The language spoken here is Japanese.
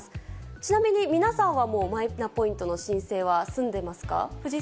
ちなみに皆さんはもうマイナポイントの申請は済んでますか？